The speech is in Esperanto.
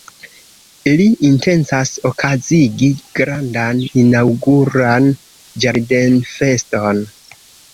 Li intencas okazigi grandan inaŭguran ĝardenfeston.